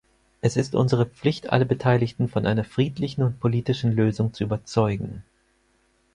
Es ist unsere Pflicht, alle Beteiligten von einer friedlichen und politischen Lösung zu überzeugen.